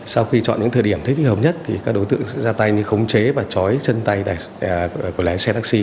sau khi chọn những thời điểm thích hợp nhất thì các đối tượng sẽ ra tay như khống chế và chói chân tay có lén xe taxi